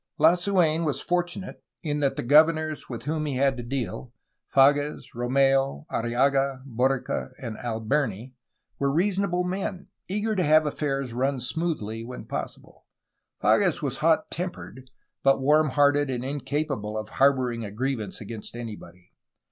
Lasu^n was fortunate in that the governors with whom he had to deal (Fages, Romeu, Arrillaga, Borica, and Alberni) were reasonable men, eager to have affairs run smoothly when possible. Fages was hot tempered, but warm hearted and incapable of harboring a grievance against anybody.